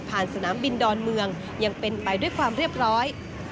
สนามบินดอนเมืองยังเป็นไปด้วยความเรียบร้อย